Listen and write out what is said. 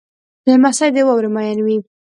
لمسی د واورې مین وي.